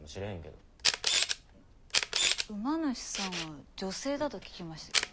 馬主さんは女性だと聞きましたけど。